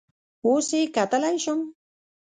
اوس یې کتلی شم؟